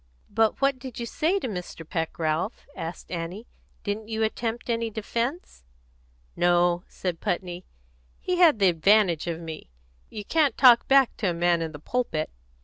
"But what did you say to Mr. Peck, Ralph?" asked Annie. "Didn't you attempt any defence?" "No," said Putney. "He had the advantage of me. You can't talk back at a man in the pulpit."